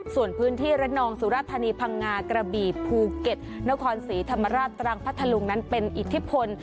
ส่วนพื้นที่ระนองสุรธานีพังงากระบี่ภูเก็ตนครศรีธรรมราชตรังพัทธลุงนั้นเป็นอิทธิพล